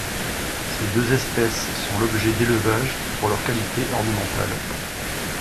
Ces deux espèces sont l’objet d’élevage pour leurs qualités ornementales.